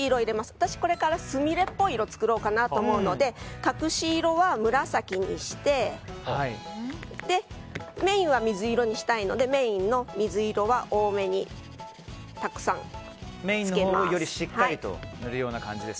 私はこれからスミレっぽい色を作ろうと思うので隠し色は紫にしてメインは水色にしたいのでメインの水色は多めにたくさんつけます。